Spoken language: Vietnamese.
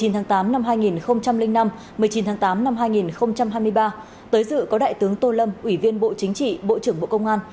một mươi tháng tám năm hai nghìn năm một mươi chín tháng tám năm hai nghìn hai mươi ba tới dự có đại tướng tô lâm ủy viên bộ chính trị bộ trưởng bộ công an